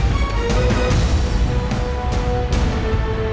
gak boleh nih